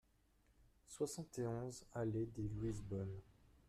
soixante et onze allée des Louises-Bonnes